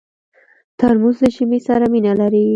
ترموز له ژمي سره مینه لري.